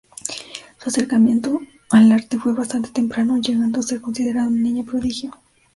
Su acercamiento al arte fue bastante temprano, llegando a ser considerada una niña prodigio.